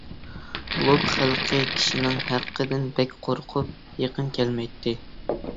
لوپ خەلقى كىشىنىڭ ھەققىدىن بەك قورقۇپ، يېقىن كەلمەيتتى.